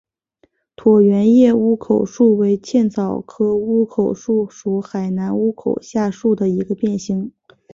椭圆叶乌口树为茜草科乌口树属海南乌口树下的一个变型。